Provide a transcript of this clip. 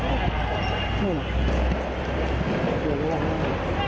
เพราะตอนนี้ก็ไม่มีเวลาให้เข้าไปที่นี่